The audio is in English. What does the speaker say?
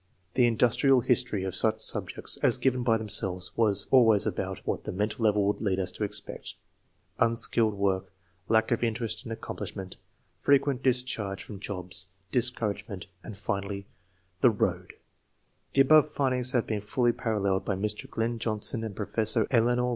The industrial history of such subjects, as given by themselves, was always about what the mental level would lead us to expect unskilled work, lack of interest in accomplishment, frequent discharge from jobs, discouragement, and finally the " road/' , The above findings have been fully paralleled by Mr* Glenn Johnson and Professor Eleanor